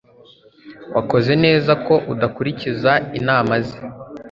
Wakoze neza ko udakurikiza inama ze.